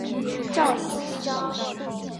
赵锡章。